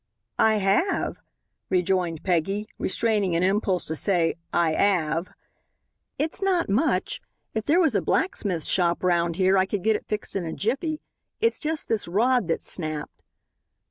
"I have," rejoined Peggy, restraining an impulse to say "I 'ave." "It's not much. If there was a blacksmith shop round here I could get it fixed in a jiffy. It's just this rod that's snapped."